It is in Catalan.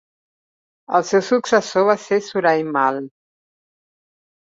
El seu successor va ser Suraj Mal.